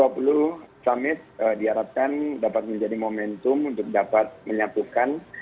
dua puluh summit diharapkan dapat menjadi momentum untuk dapat menyatukan